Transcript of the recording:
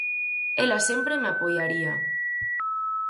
Ela sempre me apoiaría.